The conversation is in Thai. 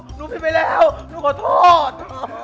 พ่อหนูปิดไปแล้วหนูขอโทษ